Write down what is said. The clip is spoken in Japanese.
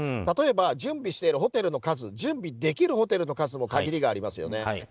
例えば、準備しているホテルの数準備できるホテルの数も限りがありますよね。